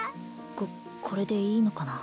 ここれでいいのかな？